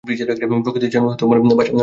প্রকৃতি যেন তাহার ভাষার অভাব পূরণ করিয়া দেয়।